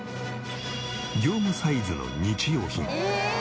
業務サイズの日用品。